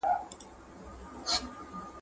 موږ باید په خپله مورنۍ ژبه زده کړه وکړو.